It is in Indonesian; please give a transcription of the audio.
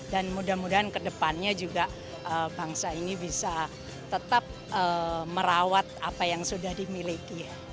dan mudah mudahan ke depannya juga bangsa ini bisa tetap merawat apa yang sudah dimiliki